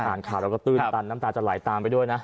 อ่านข่าวแล้วก็ตื้นตันน้ำตาจะไหลตามไปด้วยนะ